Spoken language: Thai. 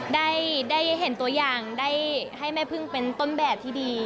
ได้เห็นตัวอย่างได้ให้แม่พึ่งเป็นต้นแบบที่ดี